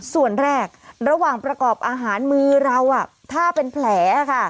ส่วนแรกระหว่างประกอบอาหารมือเราถ้าเป็นแผลค่ะ